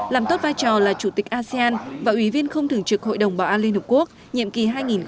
làm tốt vai trò là chủ tịch asean và ủy viên không thường trực hội đồng bảo an liên hợp quốc nhiệm kỳ hai nghìn hai mươi hai nghìn hai mươi một